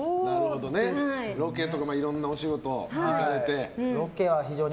ロケとかいろんなお仕事していて。